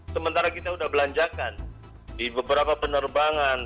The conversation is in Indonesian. sementara kita sudah belanjakan di beberapa penerbangan